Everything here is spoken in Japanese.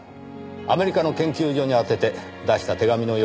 アメリカの研究所に宛てて出した手紙のようです。